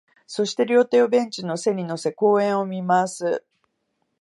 そして、両手をベンチの背に乗せ、公園を見回す